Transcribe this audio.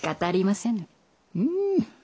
うん。